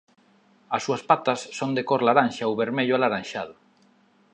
As súas patas son de cor laranxa ou vermello alaranxado.